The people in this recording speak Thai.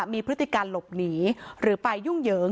มีพฤติการหลบหนีหรือไปยุ่งเหยิง